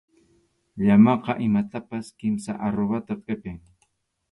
Llamaqa imatapas kimsa aruwata qʼipin.